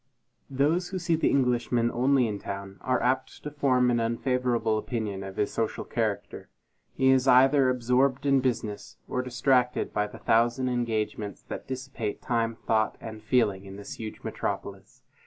Those who see the Englishman only in town, are apt to form an unfavorable opinion of his social character. He is either absorbed in business, or distracted by the thousand engagements that dissipate time, thought, and feeling, in this huge metropolis.